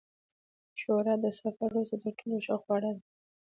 ښوروا د سفر وروسته تر ټولو ښه خواړه ده.